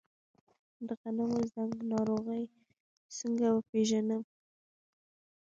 د غنمو زنګ ناروغي څنګه وپیژنم؟